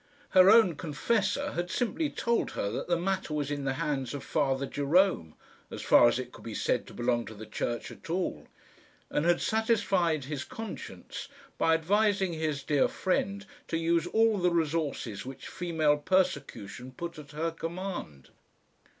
Her own confessor had simply told her that the matter was in the hands of Father Jerome, as far as it could be said to belong to the Church at all; and had satisfied his conscience by advising his dear friend to use all the resources which female persecution put at her command.